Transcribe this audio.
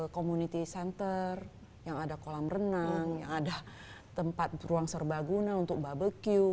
community center yang ada kolam renang yang ada tempat ruang serba guna untuk barbecue